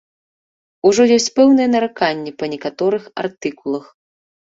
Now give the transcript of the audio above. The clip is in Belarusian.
Ужо ёсць пэўныя нараканні па некаторых артыкулах.